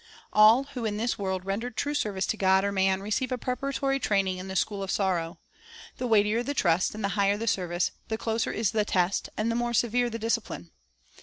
One Failure <>f Faith Loss to Elijah All who in this world render true service to God Discipline or man receive a preparatory training in the school of sorrow. The weightier the trust and the higher the service, the closer is the test and the more severe the discipline.